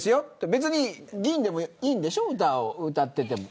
別に議員でもいいんでしょ、歌を歌ってても。